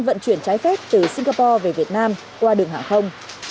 vận chuyển trái phép từ singapore về việt nam qua đường hàng không